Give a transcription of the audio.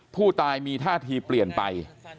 ผู้ตายมีท่าทีเปลี่ยนไป